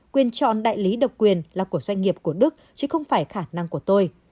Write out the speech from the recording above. quyền chọn đại lý độc quyền là của doanh nghiệp của đức chứ không phải khả năng của tôi